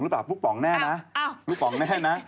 ปลูกป๋องแน่นะลูกป๋องแน่นะ